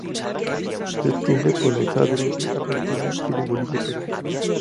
Se extiende por los Andes de Argentina, Chile, Bolivia y Perú.